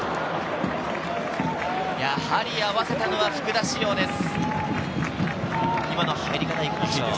やはり合わせたのは福田師王です。